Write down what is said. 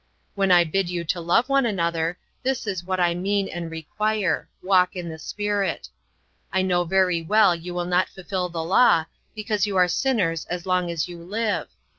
When I bid you to love one another, this is what I mean and require, 'Walk in the Spirit.' I know very well you will not fulfill the Law, because you are sinners as long as you live.